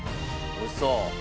おいしそう。